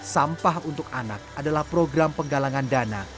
sampah untuk anak adalah program penggalangan dana